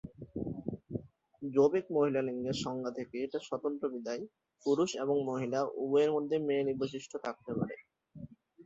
জৈবিক মহিলা লিঙ্গের সংজ্ঞা থেকে এটা স্বতন্ত্র বিধায়, পুরুষ এবং মহিলা উভয়ের মধ্যেই মেয়েলি বৈশিষ্ট্য বিদ্যমান থাকতে পারে।